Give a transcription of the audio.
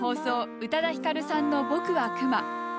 宇多田ヒカルさんの「ぼくはくま」。